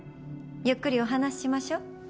ゆっくりお話ししましょう。